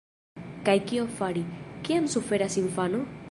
Kaj kion fari, kiam suferas infano?